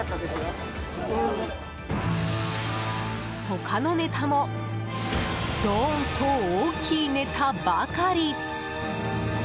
他のネタもどーんと大きいネタばかり。